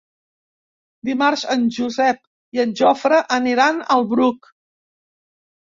Dimarts en Josep i en Jofre aniran al Bruc.